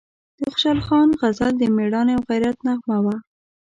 د خوشحال خان غزل د میړانې او غیرت نغمه وه،